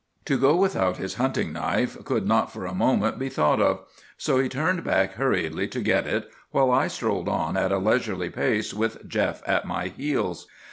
To go without his hunting knife could not for a moment be thought of; so he turned back hurriedly to get it, while I strolled on at a leisurely pace with Jeff at my heels.